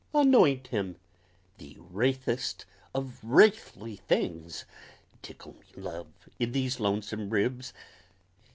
Anoint him, the wraithest of wraithly things! Tickle me, Love, in these Lonesome Ribs!